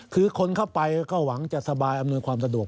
คือคนเข้าไปก็หวังจะสบายอำนวยความสะดวก